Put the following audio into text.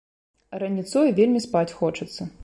Раніцою вельмі спаць хочацца.